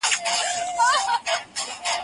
زه مخکي سبزیحات جمع کړي وو!؟